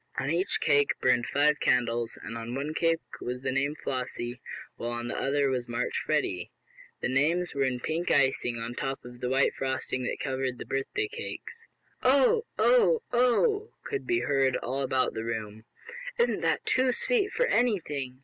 On each cake burned five candles, and on one cake was the name "Flossie," while the other was marked "Freddie." The names were in pink icing on top of the white frosting that covered the birthday cakes. "Oh! Oh! Oh!" could be heard all about the room. "Isn't that too sweet for anything!"